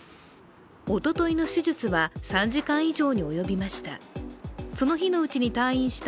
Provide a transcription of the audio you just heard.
おとといの手術は３時間以上におよびました。